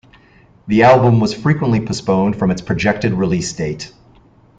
The album was frequently postponed from its projected release date.